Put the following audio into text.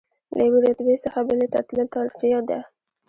له یوې رتبې څخه بلې ته تلل ترفیع ده.